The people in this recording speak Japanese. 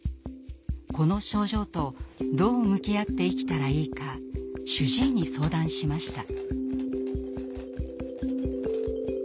この症状とどう向き合って生きたらいいか主治医に相談しました。